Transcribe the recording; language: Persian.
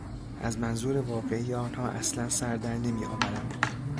از منظور واقعی آنها اصلا سردر نمیآورم.